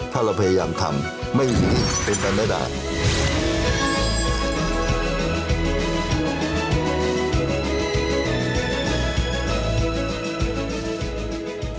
ถ้าเราพยายามทำไม่มีงานต้องทำได้ได้